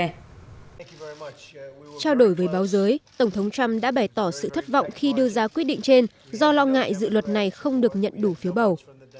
trao đổi với báo giới tổng thống trump đã bày tỏ sự thất vọng khi đưa ra quyết định trên do lo ngại dự luật này không được nhận đủ phiếu bầu